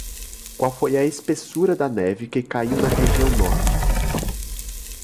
Qual foi a espessura da neve que caiu na região norte?